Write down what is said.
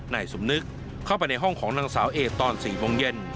นายสมนึกเข้าไปในห้องของนางสาวเอตอน๔โมงเย็น